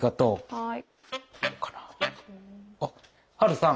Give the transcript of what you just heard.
はい。